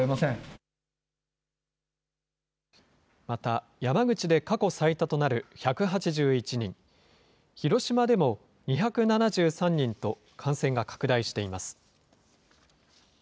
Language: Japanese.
また、山口で過去最多となる１８１人、広島でも２７３人と、感染が拡大しています。